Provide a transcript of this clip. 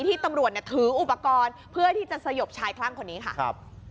ที่ตำรวจเนี่ยถืออุปกรณ์เพื่อที่จะสยบชายคลั่งคนนี้ค่ะครับ